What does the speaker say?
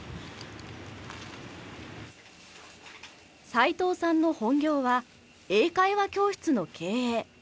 齊藤さんの本業は英会話教室の経営。